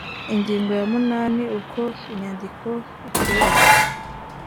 ingingo ya munani uko inyandiko icuruzwa